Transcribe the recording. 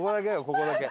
ここだけ。